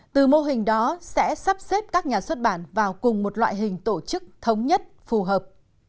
từ mô hình đó sẽ sắp xếp các nhà xuất bản vào cùng một loại hình tổ chức thống nhất phù hợp